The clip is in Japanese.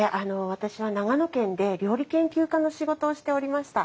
私は長野県で料理研究家の仕事をしておりました。